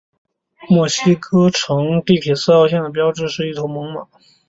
墨西哥城地铁四号线的标志就是一头猛犸。